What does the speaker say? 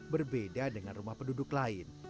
berbeda dengan rumah penduduk lain